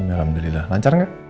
alhamdulillah lancar nggak